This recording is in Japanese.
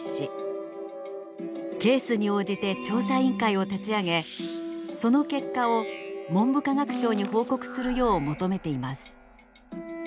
ケースに応じて調査委員会を立ち上げその結果を文部科学省に報告するよう求めています。